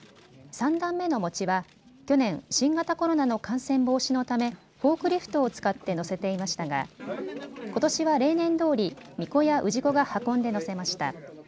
３段目の餅は去年、新型コロナの感染防止のためフォークリフトを使って乗せていましたがことしは例年どおり、みこや氏子が運んで乗せました。